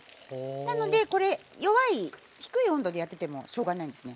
なのでこれ弱い低い温度でやっててもしょうがないんですね。